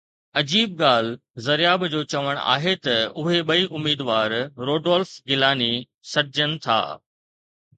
عجيب ڳالهه زرياب جو چوڻ آهي ته اهي ٻئي اميدوار روڊولف گيلاني سڏجن ٿا